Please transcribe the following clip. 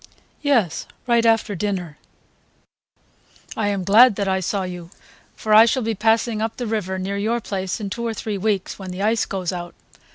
"Yes; right after dinner." "I am glad that I saw you, for I shall be passing up the river near your place in two or three weeks, when the ice goes out.